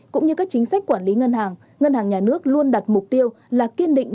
cũng như các chính sách quản lý ngân hàng ngân hàng nhà nước luôn đặt mục tiêu là kiên định